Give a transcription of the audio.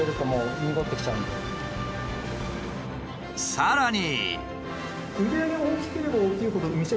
さらに。